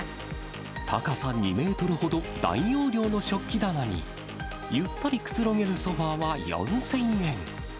高さ２メートルほど、大容量の食器棚に、ゆったりくつろげるソファは４０００円。